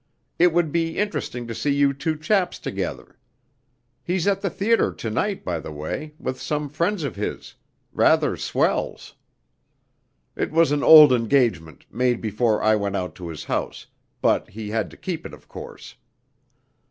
It would be interesting to see you two chaps together. He's at the theatre to night, by the way, with some friends of his rather swells. It was an old engagement, made before I went out to his house, but he had to keep it, of course.